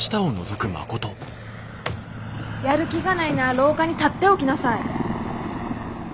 やる気がないなら廊下に立っておきなさい。